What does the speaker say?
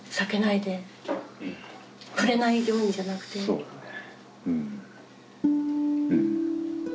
そうだね。